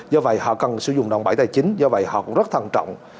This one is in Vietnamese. do vậy họ cần sử dụng đồng bảy tài chính do vậy họ cũng rất thần trọng